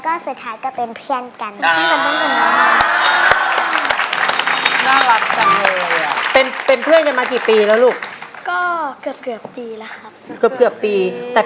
กินแต่เบน